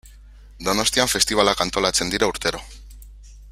Donostian festibalak antolatzen dira urtero.